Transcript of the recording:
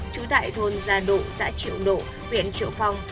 chú tại thôn gia độ xã triệu độ viện triệu phong